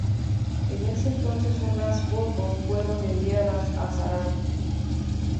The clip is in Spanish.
En ese entonces unas fotos fueron enviadas a Sarah.